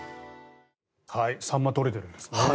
サンマ取れてるんですね。